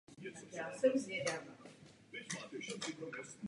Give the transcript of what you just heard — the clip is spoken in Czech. Patřil mezi zakladatele krakovské akademie věd.